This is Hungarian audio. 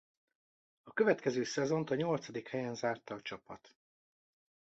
A következő szezont a nyolcadik helyen zárta a csapat.